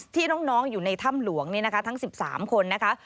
ที่น้องอยู่ในถ้ำหลวงนี่นะคะทั้ง๑๓คนนะคะ